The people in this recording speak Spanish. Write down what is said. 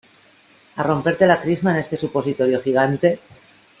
a romperte la crisma en este supositorio gigante?